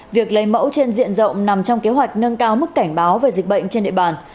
việc lấy mẫu trên diện rộng nằm trong kế hoạch nâng cao mức cảnh báo về dịch bệnh trên địa bàn